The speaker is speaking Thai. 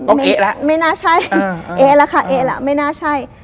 ก็เอ๊ะแล้วไม่น่าใช่เอ๊ะแล้วค่ะเอ๊ล่ะไม่น่าใช่